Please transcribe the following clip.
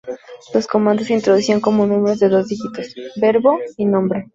Los comandos se introducían como números de dos dígitos: Verbo, y Nombre.